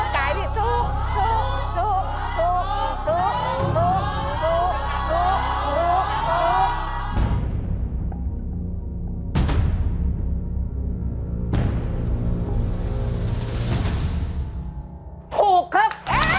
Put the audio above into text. ถูกครับ